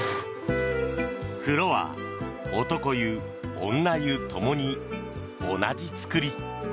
風呂は男湯、女湯ともに同じ作り。